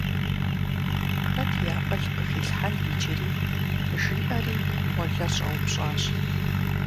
Хэт и акъыл къыхилъхьэн иджыри, – жиӀэри молэр щӀэупщӀащ.